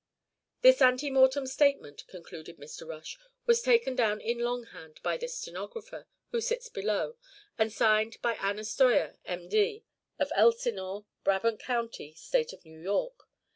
"This ante mortem statement," concluded Mr. Rush, "was taken down in longhand by the stenographer who sits below, and signed by Anna Steuer, M.D., of Elsinore, Brabant County, State of New York.